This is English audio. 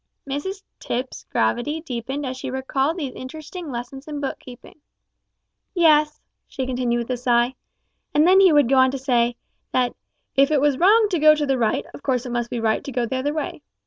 Mrs Tipps' gravity deepened as she recalled these interesting lessons in book keeping. "Yes," she continued, with a sigh, "and then he would go on to say, that `if it was wrong to go to the right, of course it must be right to go the other way.'